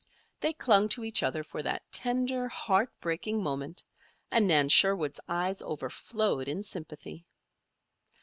They clung to each other for that tender, heart breaking moment, and Nan Sherwood's eyes overflowed in sympathy.